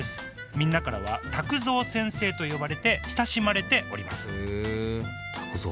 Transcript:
みんなからはタクゾー先生と呼ばれて親しまれておりますへえタクゾー